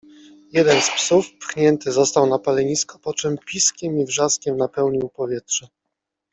jeden z psów pchnięty został na palenisko, po czym piskiem i wrzaskiem napełnił powietrze